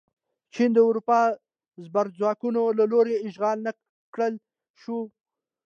چین د اروپايي زبرځواکونو له لوري اشغال نه کړل شو.